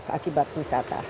ini rusak akibat wisata